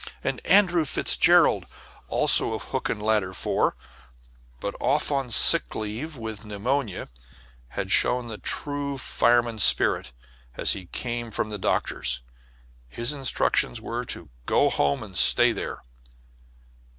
And Andrew Fitzgerald, also of Hook and Ladder 4, but off on sick leave with pneumonia, had shown the true fireman spirit as he came from the doctors. His instructions were to go home and stay there.